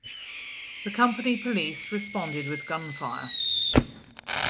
The company police responded with gunfire.